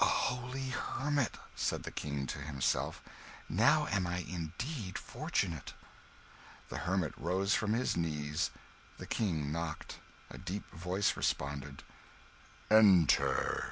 "A holy hermit!" said the King to himself; "now am I indeed fortunate." The hermit rose from his knees; the King knocked. A deep voice responded "Enter!